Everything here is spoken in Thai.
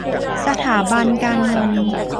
สถาบันการเงิน